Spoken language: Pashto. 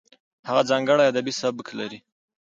هغه ځانګړی ادبي سبک لري.